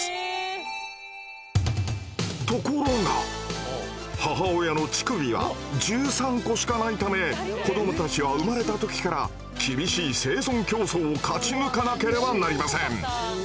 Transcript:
ところが母親の乳首は１３個しかないため子どもたちは生まれた時から厳しい生存競争を勝ち抜かなければなりません。